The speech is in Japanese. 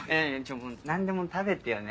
何でも食べてよね。